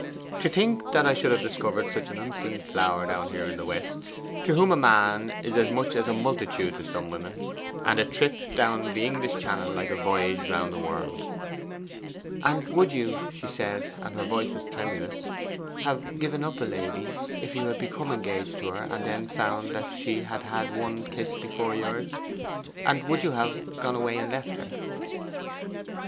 To think that I should have discovered such an unseen flower down there in the West to whom a man is as much as a multitude to some women, and a trip down the English Channel like a voyage round the world!' 'And would you,' she said, and her voice was tremulous, 'have given up a lady if you had become engaged to her and then found she had had ONE kiss before yours and would you have gone away and left her?